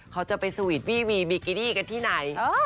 เขาจะไปสวีตต์บีกกินี่กันที่ไหน